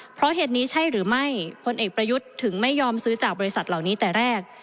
เพราะเหตุนี้ใช่หรือไม่พลเอกประยุทธ์ถึงไม่ยอมซื้อจากบริษัทเหล่านี้แต่แรก